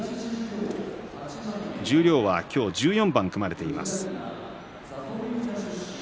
十両は今日１４番組まれています。